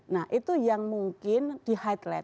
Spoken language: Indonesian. nah itu yang mungkin di highlight